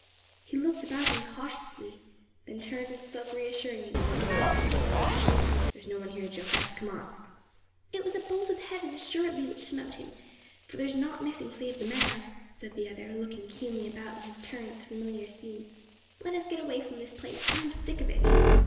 He looked about him cautiously, then turned and spoke reassuringly to some one behind him. "There is no one here, Joca; come on!" "It was a bolt from heaven assuredly which smote him; for there is naught missing save the man," said the other, looking keenly about in his turn at the familiar scene; "Let us get away from this place; I am sick of it."